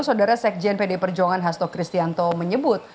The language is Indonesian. saudara sekjen pd perjuangan hasto kristianto menyebut